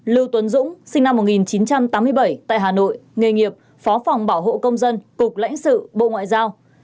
lưu tuấn dũng sinh năm một nghìn chín trăm tám mươi bảy tại hà nội nghề nghiệp phó phòng bảo hộ công dân cục lãnh sự bộ ngoại giao